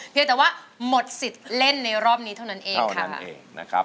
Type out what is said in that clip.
เพียงแต่ว่าหมดสิทธิ์เล่นในรอบนี้เท่านั้นเองค่ะ